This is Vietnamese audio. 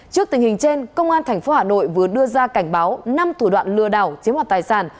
trước tình hình trên công an tp hà nội vừa đưa ra cảnh báo năm thủ đoạn lừa đảo chiếm hoạt tài sản